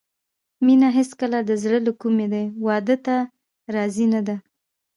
مينه هېڅکله د زړه له کومې دې واده ته راضي نه ده